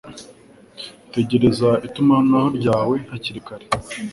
tegereza itumanaho ryawe hakiri kare